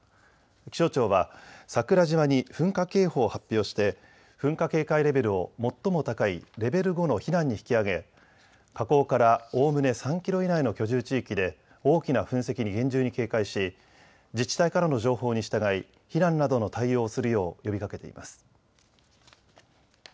気象庁は桜島に噴火警報を発表して噴火警戒レベルを最も高いレベル５の避難に引き上げ火口からおおむね３キロ以内の居住地域で大きな噴石に厳重に警戒し自治体からの情報に従い避難などの対応をするよう呼びかけています。